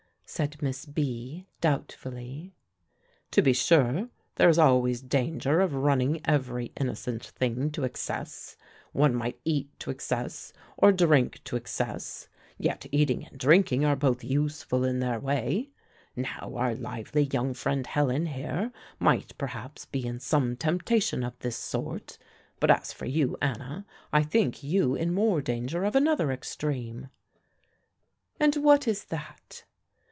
said Miss B., doubtfully. "To be sure; there is always danger of running every innocent thing to excess. One might eat to excess, or drink to excess; yet eating and drinking are both useful in their way. Now, our lively young friend Helen, here, might perhaps be in some temptation of this sort; but as for you, Anna, I think you in more danger of another extreme." "And what is that?"